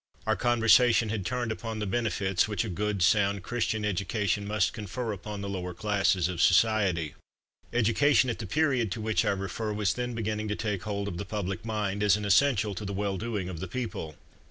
Our conversation had turned upon the benefits which a good sound Christian education must confer upon the lower classes of society. Education at the period to which I refer was then beginning to take hold of the public mind, as an essential to the well doing of the people.